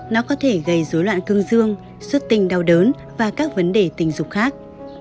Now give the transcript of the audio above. nó có thể gây dối loạn cương dương xuất tinh đau đớn và các vấn đề tình dục khác